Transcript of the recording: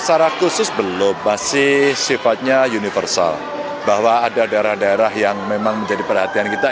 secara khusus belum masih sifatnya universal bahwa ada daerah daerah yang memang menjadi perhatian kita